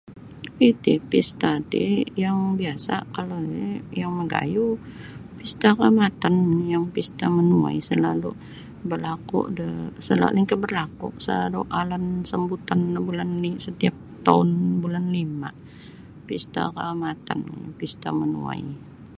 Iti pesta ti yang biasa kalau oni yang magayuh Pesta Kaamatan yang Pesta Menuai selalu balaku da selalu lainkah balaku selalu alan sambutan no bulan setiap toun bulan lima Pesta Kaaamatan Pesta Menuai.